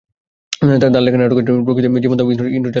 তাঁর লেখা নাটকের মধ্যে রয়েছে প্রকৃতি জীবন দাও, ইন্দ্রজাল, বিষ ইত্যাদি।